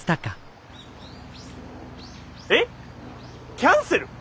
キャンセル！？